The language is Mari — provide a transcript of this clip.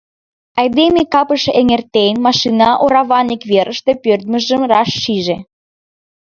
Айдеме капыш эҥертен, машина ораван ик верыште пӧрдмыжым раш шиже.